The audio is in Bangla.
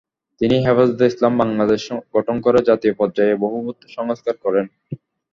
তিনি হেফাজতে ইসলাম বাংলাদেশ গঠন করে জাতীয় পর্যায়ে বহুবিধ সংস্কার করেন।